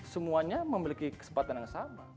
semuanya memiliki kesempatan yang sama